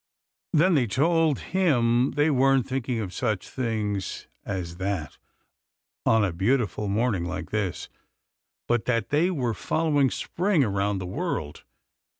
Then they told him they weren't thinking of such things as that on a beautiful morning like this, but that they were following Spring around the world.